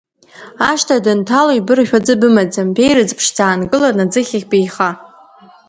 Ашҭа данҭало ибыржәуа ӡы бымаӡам, беирыӡ ԥшӡа аанкыланы аӡыхь ахь беиха.